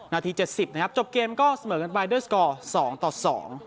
นาทีเจ็ดสิบนะครับจบเกมก็เสมอกันไปด้วยสกอร์สองต่อสอง